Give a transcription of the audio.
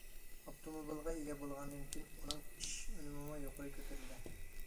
ئاپتوموبىلغا ئىگە بولغاندىن كېيىن ئۇنىڭ ئىش ئۈنۈمىمۇ يۇقىرى كۆتۈرۈلدى.